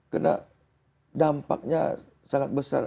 karena dampaknya sangat besar